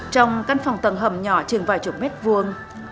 trong căn phòng tầng hầm nhỏ chừng vài chục mét vuông